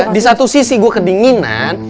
di satu sisi gue kedinginan